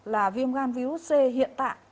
là viêm gan virus c hiện tại